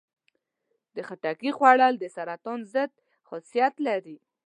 د خټکي خوړل د سرطان ضد خاصیت لري.